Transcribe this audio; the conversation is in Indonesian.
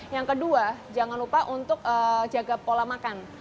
yang kedua jangan lupa untuk jaga pola makan